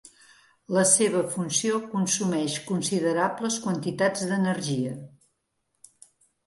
La seva funció consumeix considerables quantitats d'energia.